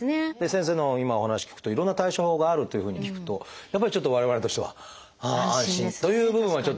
先生の今お話聞くといろんな対処法があるというふうに聞くとやっぱりちょっと我々としては安心という部分はちょっと。